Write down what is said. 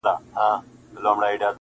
• مطرب رباب د سُر او تال خوږې نغمې لټوم,